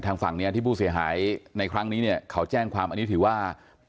ฝั่งนี้ที่ผู้เสียหายในครั้งนี้เนี่ยเขาแจ้งความอันนี้ถือว่า